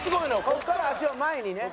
ここから足を前にね。